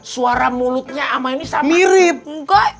suara mulutnya sama ini sama